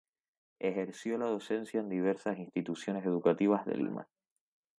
Ejerció la docencia en diversas instituciones educativas de Lima.